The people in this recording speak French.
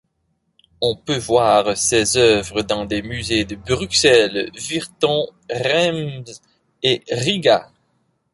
On peut voir ses œuvres dans des musées de Bruxelles, Virton, Reims et Rīga.